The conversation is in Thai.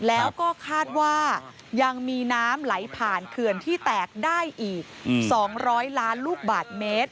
แล้วก็คาดว่ายังมีน้ำไหลผ่านเขื่อนที่แตกได้อีก๒๐๐ล้านลูกบาทเมตร